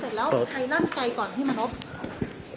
ความถามเสร็จแล้วใครนั่งใจก่อนพี่มนุษย์